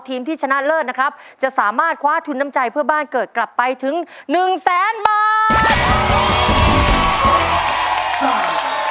ทีมที่ชนะเลิศนะครับจะสามารถคว้าทุนน้ำใจเพื่อบ้านเกิดกลับไปถึงหนึ่งแสนบาท